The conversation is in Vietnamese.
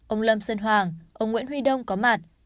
ông lâm sơn hoàng ông nguyễn huy đông có mặt